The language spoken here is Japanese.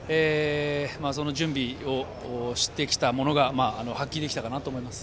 その準備できたものが発揮できたかなと思います。